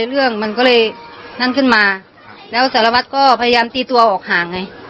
เรื่องมันก็เลยนั่นขึ้นมาแล้วสารวัตรก็พยายามตีตัวออกห่างไง